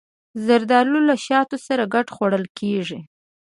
زردالو له شاتو سره ګډ خوړل کېږي.